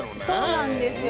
そうなんですよ。